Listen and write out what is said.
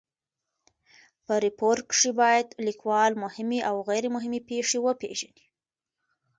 په ریپورټ کښي باید لیکوال مهمي اوغیري مهمي پېښي وپېژني.